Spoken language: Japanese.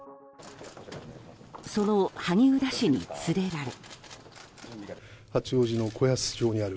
その萩生田氏に連れられ。